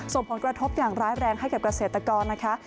ส่งผลกระทบอย่างร้ายแรงให้กับเกษตรกรนะคะ